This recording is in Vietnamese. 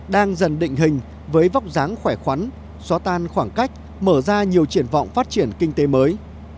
đang dần định hình với vóc dáng khỏe khoắn xóa tan khoảng cách mở ra nhiều triển vọng phát triển kinh tế mới